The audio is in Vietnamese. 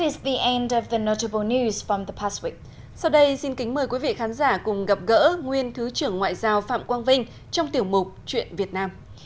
sau đây xin kính mời quý vị khán giả cùng gặp gỡ nguyên thứ trưởng ngoại giao phạm quang vinh trong tiểu mục chuyện việt nam